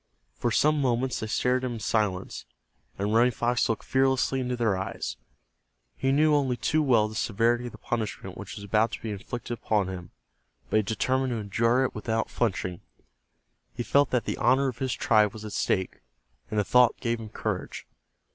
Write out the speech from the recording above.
For some moments they stared at him in silence, and Running Fox looked fearlessly into their eyes. He knew only too well the severity of the punishment which was about to be inflicted upon him, but he determined to endure it without flinching. He felt that the honor of his tribe was at stake, and the thought gave him courage.